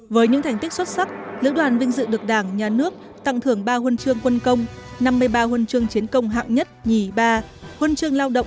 với những thành tích xuất sắc lữ đoàn vinh dự được đảng nhà nước tặng thưởng ba huân chương quân công năm mươi ba huân chương chiến công hạng nhất nhì ba